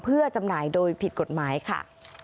เพื่อจำหน่ายโดยผิดกฎหมายค่ะ